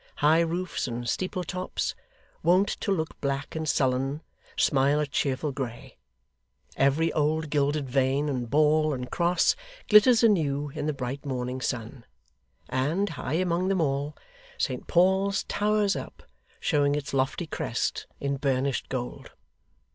High roofs and steeple tops, wont to look black and sullen, smile a cheerful grey; every old gilded vane, and ball, and cross, glitters anew in the bright morning sun; and, high among them all, St Paul's towers up, showing its lofty crest in burnished gold.